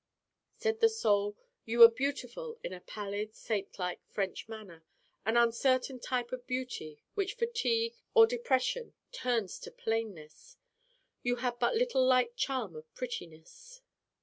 Said the Soul: 'You were beautiful in a pallid saintlike French manner an uncertain type of beauty which fatigue or depression turns to plainness. You had but little light charm of prettiness.